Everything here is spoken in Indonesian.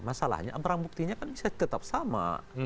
masalahnya barang buktinya kan bisa tetap sama